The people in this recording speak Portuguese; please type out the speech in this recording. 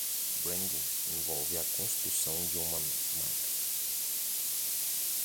Branding envolve a construção de uma marca.